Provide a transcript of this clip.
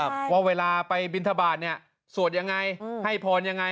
ว่าเวลาไปบินทบาทเนี่ยสวดยังไงอืมให้พรยังไง